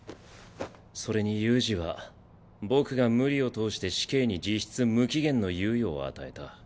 それに悠仁は僕が無理を通して死刑に実質無期限の猶予を与えた。